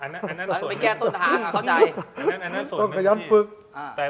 อนั่นไปแก้ตัวเนาะเข้าใจ